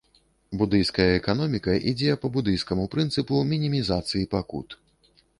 Будыйская эканоміка ідзе па будыйскаму прынцыпу мінімізацыі пакут.